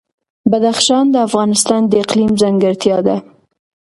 بدخشان د افغانستان د اقلیم ځانګړتیا ده.